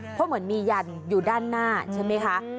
เพราะเหมือนมียันอยู่ด้านหน้าใช่ไหมคะ